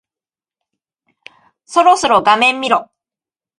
そろそろ画面見ろ。